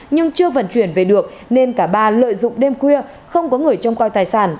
nhưng chưa vận chuyển về được nên cả ba lợi dụng đêm khuya không có người trông coi tài sản